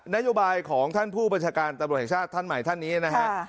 นโยบายของท่านผู้บัญชาการตำรวจแห่งชาติท่านใหม่ท่านนี้นะฮะ